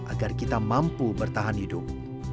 agar kita mampu bertahan hidup